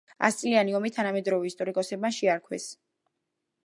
ასწლიანი ომი თანამედროვე ისტორიკოსებმა შეარქვეს.